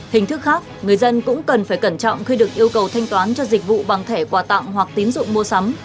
hình thức khác người dân cũng cần phải cẩn trọng khi được yêu cầu thanh toán cho dịch vụ bằng thẻ quà tặng hoặc tín dụng mua sắm